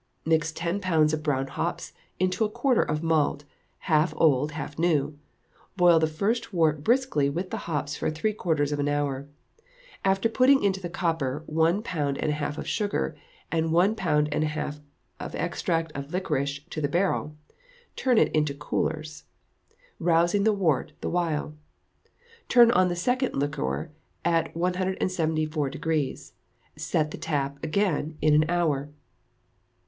Mix ten pounds of brown hops to a quarter of malt, half old, half new; boil the first wort briskly with the hops for three quarters of an hour, after putting into the copper one pound and a half of sugar, and one pound and a half of extract of liquorice to the barrel, turn it into coolers, rousing the wort the while. Turn on the second liquor at 174°, set tap again in an hour.